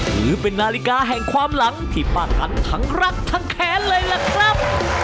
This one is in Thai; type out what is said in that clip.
ถือเป็นนาฬิกาแห่งความหลังที่ป้ากันทั้งรักทั้งแค้นเลยล่ะครับ